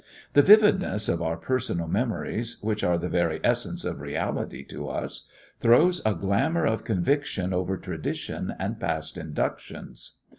The vividness of our personal memories, which are the very essence of reality to us, throws a glamor of conviction over tradition and past inductions.